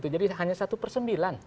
jadi hanya satu per sembilan